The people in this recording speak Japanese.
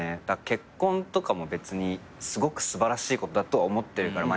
結婚とかも別にすごく素晴らしいことだと思ってるから。